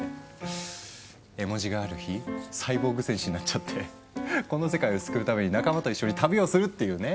絵文字がある日サイボーグ戦士になっちゃってこの世界を救うために仲間と一緒に旅をするっていうね。